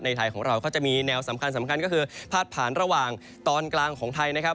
ไทยของเราก็จะมีแนวสำคัญสำคัญก็คือพาดผ่านระหว่างตอนกลางของไทยนะครับ